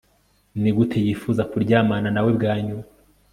Nigute yifuza kuryamana nawe bwa nyuma